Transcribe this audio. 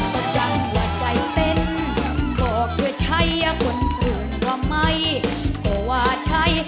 ก็ดังว่าใจเป็นบอกเธอใช่คนอื่นก็ไม่ก็ว่าใช่